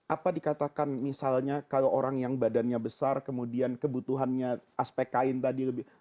apa dikatakan misalnya kalau orang yang badannya besar kemudian kebutuhannya aspek kain tadi lebih